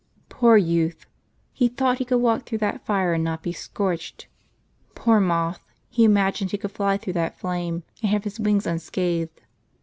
Poor youth I he thought he could walk through that fire and not be scorched ! Poor moth ! he imagined he could fly through that flame, and have his wings unscathed